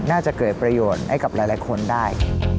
น่าจะเกิดประโยชน์ให้กับหลายคนได้